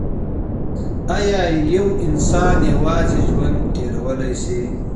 ایا یو انسان یوازي ژوند تیرولای سي؟